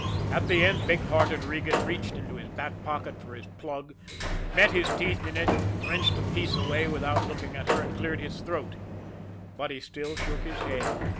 At the end, big hearted Regan reached into his back pocket for his plug, met his teeth in it, wrenched a piece away without looking at her, and cleared his throat but he still shook his head.